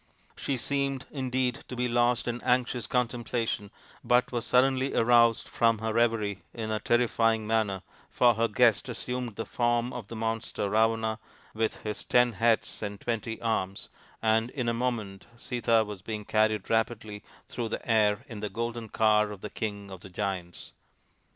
She seemed, indeed, to be lost in anxious contemplation, but was suddenly aroused from her reverie in a terrifying manner, for her guest assumed the form of the monster Ravana with his ten heads and twenty arms, and in a moment Sita was being carried rapidly through the air in the golden car of the king of the giants.